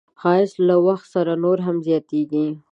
ښایست له وخت سره نور هم زیاتېږي